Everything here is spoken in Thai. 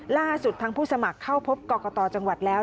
ล่าสุดทางผู้สมัครเข้าพบกรกตจังหวัดแล้ว